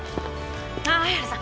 ああ相原さん！